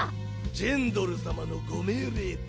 ジェンドル様のご命令だ。